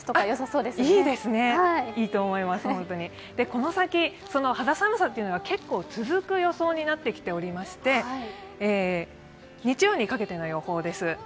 この先、肌寒さが結構続く予想になってきていまして、日曜にかけての予報です。